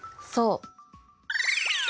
そう。